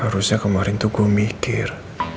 harusnya kemarin tuh gue mikir